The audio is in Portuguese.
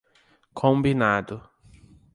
Combinado